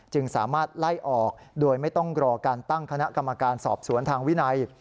สามารถไล่ออกโดยไม่ต้องรอการตั้งคณะกรรมการสอบสวนทางวินัย